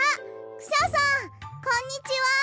クシャさんこんにちは！